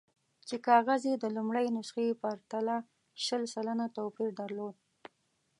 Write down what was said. چې کاغذ یې د لومړۍ نسخې په پرتله شل سلنه توپیر درلود.